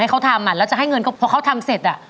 ให้เขาทำอ่ะแล้วจะให้เงินเพราะเขาทำเสร็จ